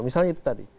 misalnya itu tadi